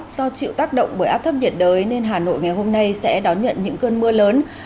do chịu tác động bởi áp thấp nhiệt đới nên hà nội ngày hôm nay sẽ đón nhận những cơn mưa lớn